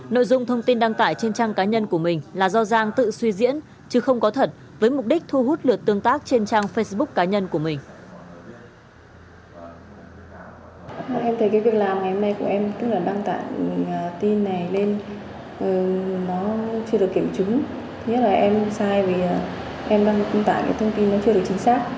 nội dung thông tin đăng tải trên trang cá nhân của mình là do giang tự suy diễn chứ không có thật với mục đích thu hút lượt tương tác trên trang facebook cá nhân của mình